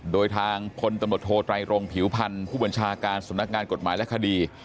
โดยทางพลตำรวจโทไตรรงผิวพันธ์ผู้บัญชาการสำนักงานกฎหมายและคดี